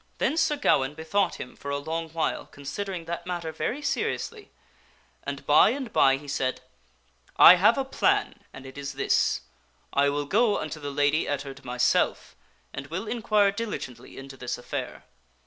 * Then Sir Gawaine bethought him for a long while, considering that matter very seriously ; and by and by he said, " I have a plan, and it is this: I will go unto the Lady Ettard myself, and will inquire diligently into this affair.